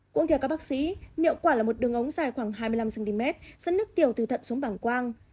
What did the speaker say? cũng theo các bác sĩ niệm quả là một đường ống dài khoảng hai mươi năm cm dẫn nước tiểu từ thận xuống bảng quang